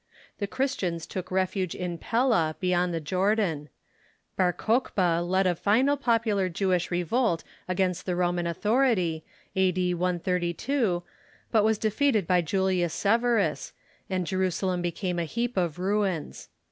The Christians took refuge in Pella, beyond the Jordan. Bar cochba led a final popular Jewish revolt against the Roman authority, a.d. 132, but was defeated by Julias Severus, and Jerusalem became a heap of ruins.